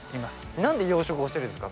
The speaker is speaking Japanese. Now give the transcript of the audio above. なんで養殖をしているんですか？